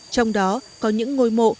trong đó có những ngôi mộ